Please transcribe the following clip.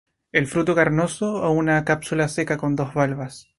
El fruto carnoso o una cápsula seca con dos valvas.